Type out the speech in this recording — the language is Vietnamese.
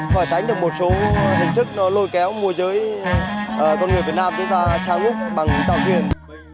khỏi tánh được một số hình thức lôi kéo mùa giới con người việt nam chúng ta sang úc bằng tàu thuyền